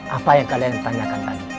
apa yang kalian tanyakan tadi